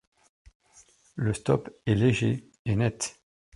Le stop est léger et net.